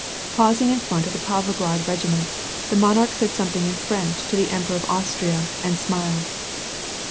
Pausing in front of the Pavlograd regiment, the monarch said something in French to the Emperor of Austria and smiled.